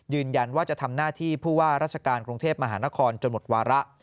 ยืนยันว่าจะทำหน้าที่ผู้ว่าราชการกรุงเทพมหานครจนหมดวาระ